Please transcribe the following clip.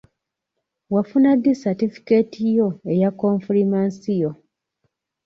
Wafuna ddi satifukeeti yo eya konfirimansiyo?